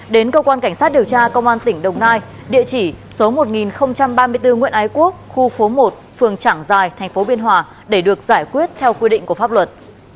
đến cơ quan cảnh sát điều tra công an tỉnh đồng nai địa chỉ số một nghìn ba mươi bốn nguyễn ái quốc khu phố một phường trảng giài thành phố biên hòa để được giải quyết theo quy định của pháp luật